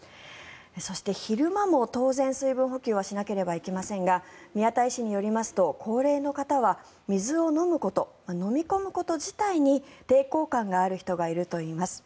そして、昼間も当然、水分補給はしなければいけませんが宮田医師によりますと高齢の方は水を飲むこと飲み込むこと自体に抵抗感がある人がいるといいます。